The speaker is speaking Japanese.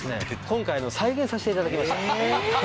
今回再現させて頂きました。